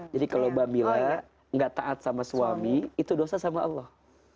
jadi kalau babila nggak taat sama suami itu dosa sama allah